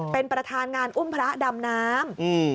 เป็นประธานงานอุ้มพระดำน้ำ